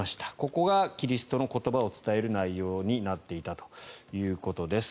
ここがキリストの言葉を伝える内容になっていたということです。